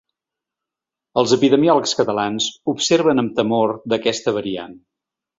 Els epidemiòlegs catalans observen amb temor d’aquesta variant.